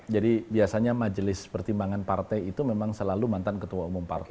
jadi biasanya majelis pertimbangan partai itu memang selalu mantan ketua umum partai